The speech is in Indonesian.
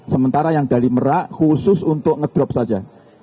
sementara yang dari merak khusus untuk ngedrop saja